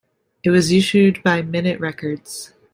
It was issued by Minit Records.